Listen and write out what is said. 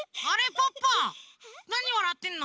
ポッポなにわらってんの？